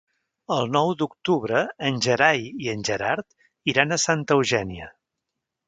El nou d'octubre en Gerai i en Gerard iran a Santa Eugènia.